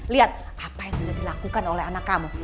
lihat apa yang sudah dilakukan oleh anak kamu